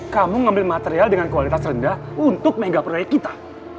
kamu ngambil material dengan kualitas rendah untuk mega proyek kita